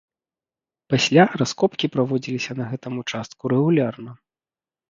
Пасля раскопкі праводзіліся на гэтым участку рэгулярна.